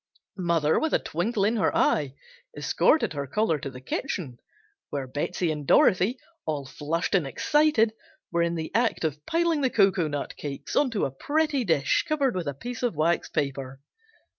Mother, with a twinkle in her eye, escorted her caller to the kitchen, where Betsey and Dorothy, all flushed and excited, were in the act of piling the cocoanut cakes on a pretty dish covered with a piece of waxed paper.